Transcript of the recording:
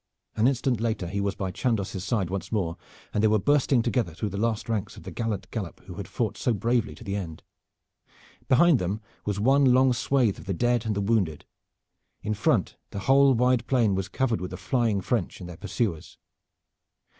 An instant later he was by Chandos' side once more and they were bursting together through the last ranks of the gallant group who had fought so bravely to the end. Behind them was one long swath of the dead and the wounded. In front the whole wide plain was covered with the flying French and their pursuers.